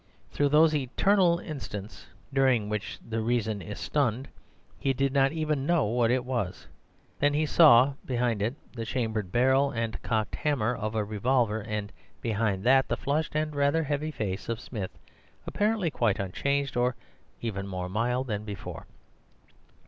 Through those eternal instants during which the reason is stunned he did not even know what it was. Then he saw behind it the chambered barrel and cocked hammer of a revolver, and behind that the flushed and rather heavy face of Smith, apparently quite unchanged, or even more mild than before.